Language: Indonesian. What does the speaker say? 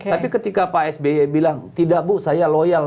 tapi ketika pak sby bilang tidak bu saya loyal